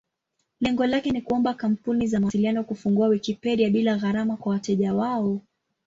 Lengo lake ni kuomba kampuni za mawasiliano kufungua Wikipedia bila gharama kwa wateja wao.